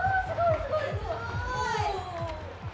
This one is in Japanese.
すごーい！